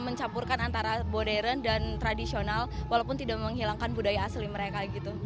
mencampurkan antara modern dan tradisional walaupun tidak menghilangkan budaya asli mereka gitu